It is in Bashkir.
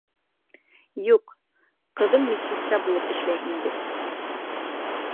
Юҡ, ҡыҙым медсестра булып эшләй инде.